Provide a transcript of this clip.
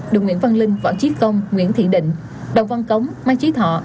đường nguyễn văn linh võ chí công nguyễn thị định đồng văn cống mai trí thọ